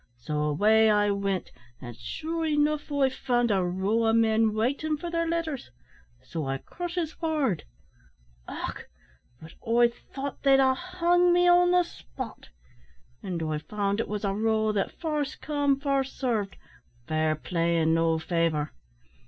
So away I wint, and sure enough I found a row o' men waitin' for their letters; so I crushes for'ard och! but I thought they'd ha' hung me on the spot, and I found it was a rule that `first come first sarved fair play and no favour.'